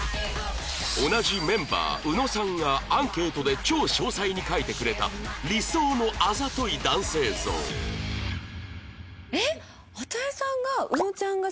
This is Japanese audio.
同じメンバー宇野さんがアンケートで超詳細に書いてくれた理想のあざとい男性像えっ！？